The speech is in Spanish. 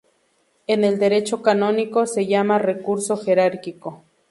En el derecho canónico se llama "recurso jerárquico".